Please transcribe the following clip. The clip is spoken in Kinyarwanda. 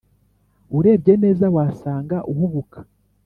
urebye neza wasanga uhubuka